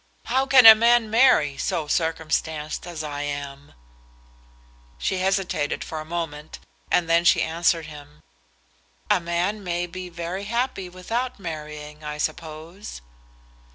How can a man marry, so circumstanced as I am?" She hesitated for a moment, and then she answered him, "A man may be very happy without marrying, I suppose."